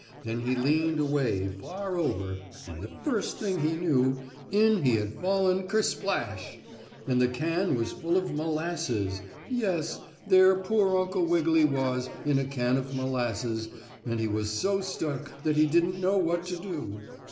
Then he leaned away far over, and the first thing he knew, in he had fallen ker splash! and the can was full of molasses yes, there poor Uncle Wiggily was in a can of molasses and he was so stuck up that he didn't know what to do.